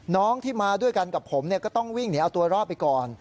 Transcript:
น้องที่มาด้วยกันกับผมก็ต้องวิ่งหนีเอาตัวรอดไปก่อน